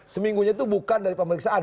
seminggunya itu bukan dari pemeriksaan